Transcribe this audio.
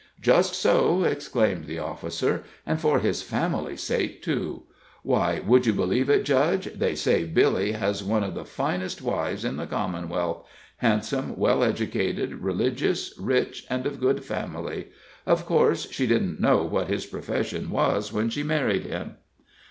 "Just so," exclaimed the officer; "and for his family's sake, too. Why, would you believe it, judge? They say Billy has one of the finest wives in the commonwealth handsome, well educated, religious, rich, and of good family. Of course she didn't know what his profession was when she married him."